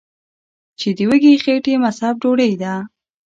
چې د وږې خېټې مذهب ډوډۍ ده ـ